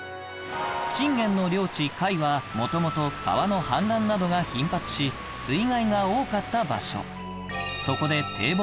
信玄の領地甲斐は元々川の氾濫などが頻発し水害が多かった場所